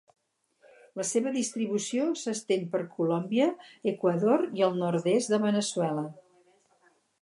La seva distribució s'estén per Colòmbia, l'Equador i el nord-est de Veneçuela.